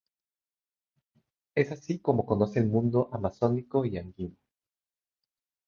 Es así como conoce el mundo amazónico y andino.